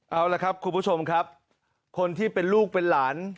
เอาละครับคุณผู้ชมครับคนที่เป็นลูกเป็นหลาน